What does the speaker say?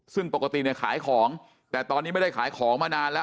ซึ่งปกติเนี่ยขายของแต่ตอนนี้ไม่ได้ขายของมานานแล้ว